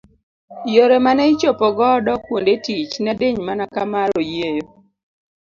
Yore mane ichopo godo kuonde tich ne diny mana ka mar oyieyo.